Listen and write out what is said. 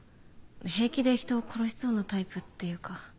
平気で人を殺しそうなタイプっていうか。